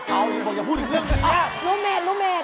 เอ้าบอกอย่าพูดอีกเรื่องกันแหละ